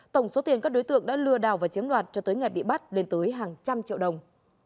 tổng số tiền các đối tượng đã lừa đào và chiếm đoạt cho tới ngày bị bắt lên tới hàng trăm triệu đồng